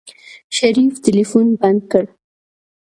شريف ټلفون بند کړ.